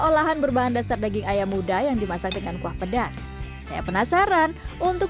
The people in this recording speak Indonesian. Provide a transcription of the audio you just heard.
olahan berbahan dasar daging ayam muda yang dimasak dengan kuah pedas saya penasaran untuk